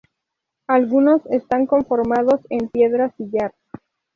Algunos están conformados en piedra sillar.